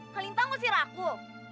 kalintang usir aku